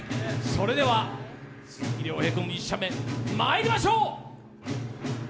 それでは鈴木亮平君、１射目、まいりましょう。